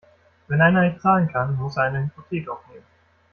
Wenn einer nicht zahlen kann, muss er eine Hypothek aufnehmen.